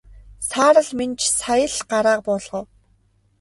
Саарал Минж сая л гараа буулгав.